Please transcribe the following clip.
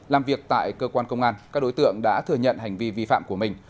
làm việc tại cơ quan công an các đối tượng đã thừa nhận hành vi vi phạm của mình